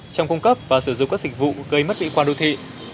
trong cung cấp và sử dụng các dịch vụ gây mất mỹ quan đô thị